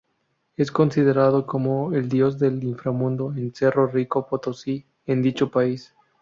Es considerado como el dios del inframundo en Cerro Rico, Potosí, en dicho país.